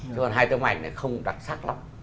chứ còn hai tấm ảnh này không đặc sắc lắm